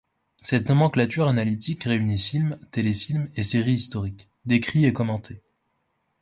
Cette nomenclature analytique réunit films, téléfilms et séries historiques, décrits et commentés.